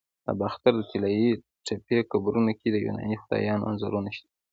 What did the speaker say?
د باختر د طلایی تپې قبرونو کې د یوناني خدایانو انځورونه شته